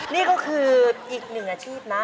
นี่ก็คืออีกหนึ่งอาชีพนะ